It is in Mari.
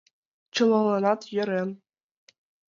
Чылаланат йӧрен.